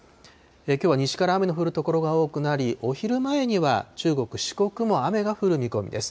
きょうは西から雨の降る所が多くなり、お昼前には中国、四国も雨が降る見込みです。